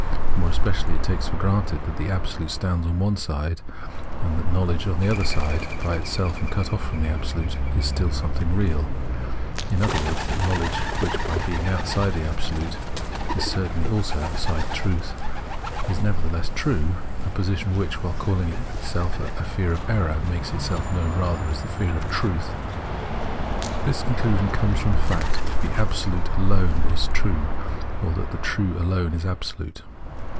More especially it takes for granted tkat tke Absolute stands on one side, and tkat knowledge on tke otker side, by itself and cut off from tke Absolute, is still sometking real ; in otker words, tkat knowledge, wkick, by being outside tke Absolute, is certainly also outside trutk, is nevertkeless true — a position wkick, wkile calkng itself fear of error, makes itself known ratker as fear of tke trutk. Tkis conclusion comes from tke fact tkat tke Absolute alone is true or tkat tke True is alone ab solute.